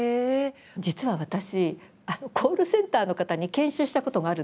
実は私コールセンターの方に研修したことがあるんですよ。